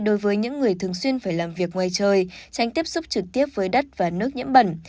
đối với những người thường xuyên phải làm việc ngoài trời tránh tiếp xúc trực tiếp với đất và nước nhiễm bẩn